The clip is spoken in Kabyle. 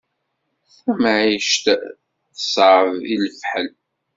Tamɛict teṣɛeb i lefḥel.